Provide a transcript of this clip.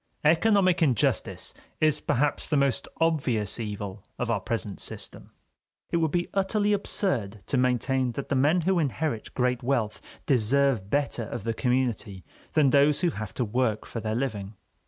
Economic injustice is perhaps the most obvious evil of our present system. It would be utterly absurd to maintain that the men who inherit great wealth deserve better of the community than those who have to work for their living.